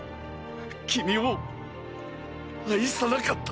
君を愛さなかった。